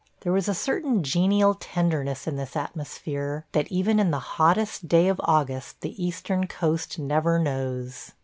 There was a certain genial tenderness in this atmosphere that even in the hottest day of August the eastern coast never knows.